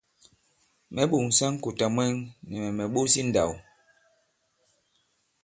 Mɛ̌ ɓòŋsa ŋ̀kùtà mwɛŋ, nì mɛ̀ mɛ̀ ɓos i ǹndāw.